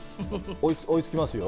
追いつきますよ。